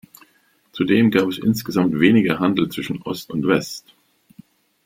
Zudem gab es insgesamt weniger Handel zwischen Ost und West.